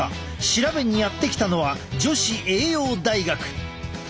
調べにやって来たのは女子栄養大学。